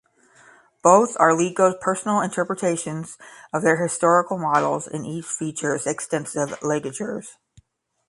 Both are Licko's personal interpretations of their historical models and each features extensive ligatures.